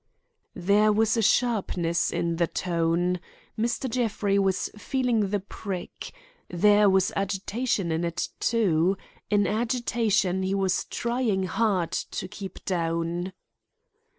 There was sharpness in the tone. Mr. Jeffrey was feeling the prick. There was agitation in it, too; an agitation he was trying hard to keep down.